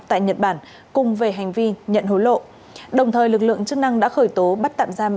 tại nhật bản cùng về hành vi nhận hối lộ đồng thời lực lượng chức năng đã khởi tố bắt tạm giam